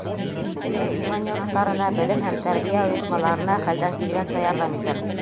— Эйе, иман йорттарына, белем һәм тәрбиә ойошмаларына хәлдән килгәнсә ярҙам итәм.